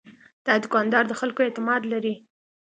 دا دوکاندار د خلکو اعتماد لري.